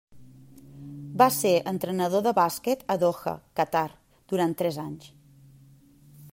Va ser entrenador de bàsquet a Doha, Qatar, durant tres anys.